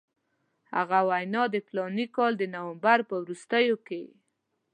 هغه وینا د فلاني کال د نومبر په وروستیو کې.